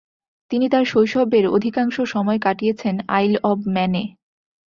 তিনি তার শৈশবের অধিকাংশ সময় কাটিয়েছেন আইল অব ম্যানে।